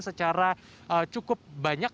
secara cukup banyak